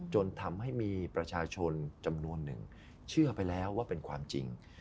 จนทำให้มีประชาชนจำนวนหนึ่งเชื่อไปแล้วว่าเป็นความจริง